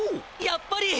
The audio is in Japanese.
やっぱり！